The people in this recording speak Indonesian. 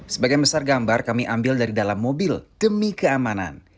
sebagian besar gambar kami ambil dari dalam mobil demi keamanan